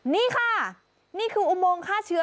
นี่ค่ะนี่คืออุโมงฆ่าเชื้อ